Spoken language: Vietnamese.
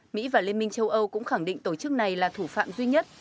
mỹ và liên minh châu âu cũng khẳng định tổ chức này là thủ phạm duy nhất